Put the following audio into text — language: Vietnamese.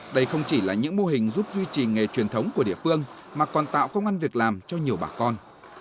đây không chỉ là những mô hình giúp duy trì nghề truyền thống của địa phương mà còn tạo công an việc làm cho nhiều bà con